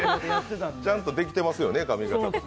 ちゃんとできてますよね、髪型。